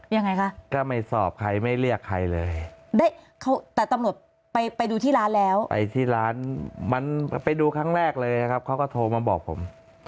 ยังไงคะก็ไม่สอบใครไม่เรียกใครเลยได้เขาแต่ตำรวจไปไปดูที่ร้านแล้วไปที่ร้านมันไปดูครั้งแรกเลยครับเขาก็โทรมาบอกผม